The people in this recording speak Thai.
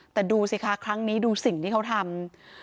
แต่ดูสิคะครั้งนี้ดูสิ่งที่เขาทำ